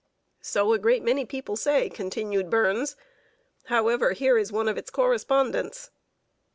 "So a great many people say," continued Burns. "However, here is one of its correspondents."